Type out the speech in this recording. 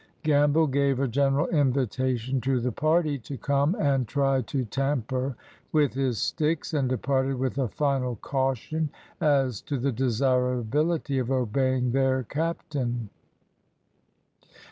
Gamble gave a general invitation to the party to come and try to tamper with his sticks, and departed with a final caution as to the desirability of obeying their captain.